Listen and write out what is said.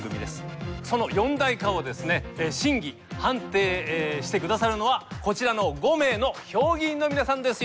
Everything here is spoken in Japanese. その四大化をですね審議判定して下さるのはこちらの５名の評議員の皆さんです。